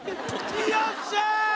よっしゃー！